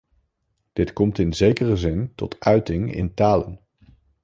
Dit komt in zekere zin tot uiting in talen.